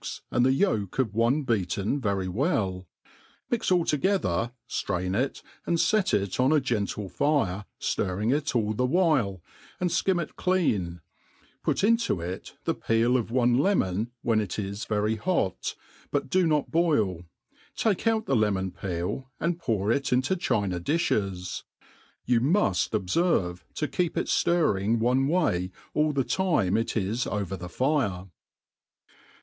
and the yolk of one beaten very well, mix all together^ ^ flrain it, and fet it. on a gentle fire, fiirring it all the whjle^ and fkim it clean, put into it the peel of one lemon, when it is very hot, but ^o not boil, take out the lemon peel, and p^ur it into china diflies. You muft obferve to keep it ftirring one way all the time it is over the fire.